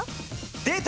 出た！